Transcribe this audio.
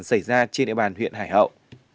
xảy ra trên địa bàn huyện hải hậu